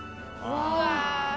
うわ！